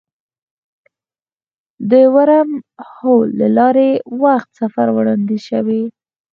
د ورم هول له لارې وخت سفر وړاندیز شوی.